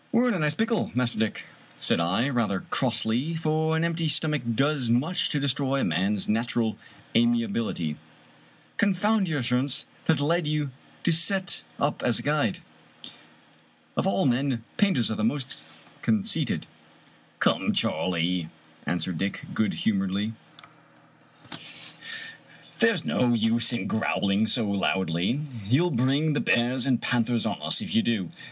"We're in a nice pickle, Master Dick," said I, rather crossly, for an empty stomach does much to destroy a man's natural amiability. " Confound your assurance that led you to set up as a guide. Of all men, painters are the most conceited." " Come, Charley," answered Dick, good humoredly, 49 Irish Mystery Stories "there's no use in growling so loudly. You'll bring the bears and panthers on us if you do.